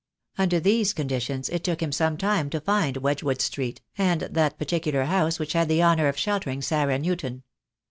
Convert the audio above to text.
Under these conditions it took him some time to find Wedgewood Street, and that particular house which had the honour of sheltering Sarah Newton.